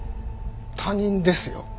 他人ですよ。